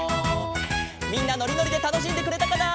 みんなのりのりでたのしんでくれたかな？